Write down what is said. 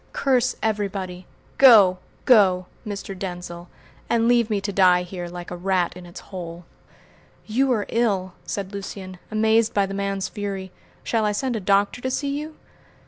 Curse everybody! Go! go! Mr. Denzil, and leave me to die here like a rat in its hole!" "You are ill!" said Lucian, amazed by the man's fury. "Shall I send a doctor to see you?"